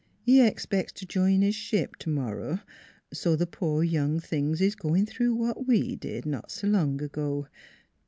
He expects to join his ship to morrow, so the poor young things is going through what we did, not so long ago.